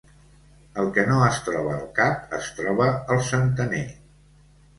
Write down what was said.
El que no es troba al cap, es troba al centener.